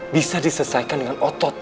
bisa diselesaikan dengan otot